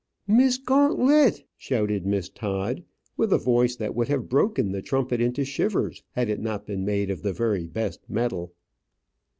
"Miss Gaunt let!" shouted Miss Todd, with a voice that would have broken the trumpet into shivers had it not been made of the very best metal.